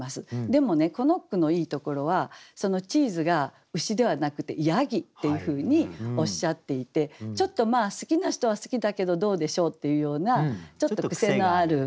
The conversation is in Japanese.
でもねこの句のいいところはそのチーズが牛ではなくて山羊っていうふうにおっしゃっていてちょっと好きな人は好きだけどどうでしょうっていうようなちょっと癖のある味ですよね。